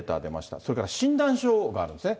それから診断書があるんですね。